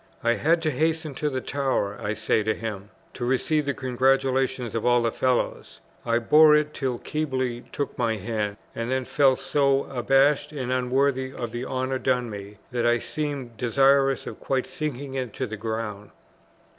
"I had to hasten to the Tower," I say to him, "to receive the congratulations of all the Fellows. I bore it till Keble took my hand, and then felt so abashed and unworthy of the honour done me, that I seemed desirous of quite sinking into the ground."